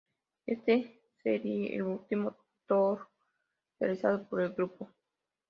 Este sería el último tour realizado por el grupo.